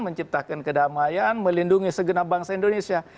menciptakan kedamaian melindungi segenap bangsa indonesia